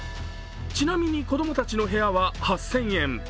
ちなみに子供たちの部屋は８０００円。